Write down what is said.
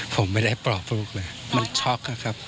ผมไม่ได้ปลอบลูกเลยมันช็อกอะครับ